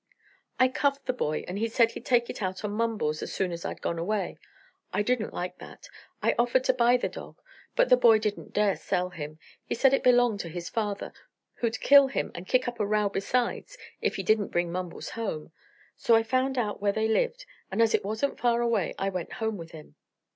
"I cuffed the boy, and he said he'd take it out on Mumbles, as soon as I'd gone away. I didn't like that. I offered to buy the dog, but the boy didn't dare sell him. He said it belonged to his father, who'd kill him and kick up a row besides if he didn't bring Mumbles home. So I found out where they lived and as it wasn't far away I went home with him."